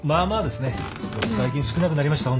でも最近少なくなりました。